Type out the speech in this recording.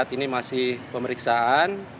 saat ini masih pemeriksaan